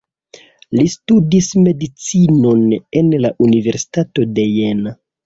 Li studis medicinon en la Universitato de Jena.